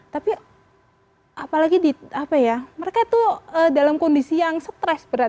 tapi apalagi di apa ya mereka itu dalam kondisi yang stres berat